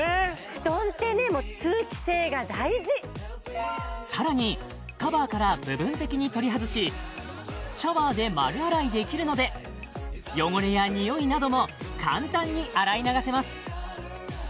布団ってねさらにカバーから部分的に取り外しシャワーで丸洗いできるので汚れやにおいなども簡単に洗い流せます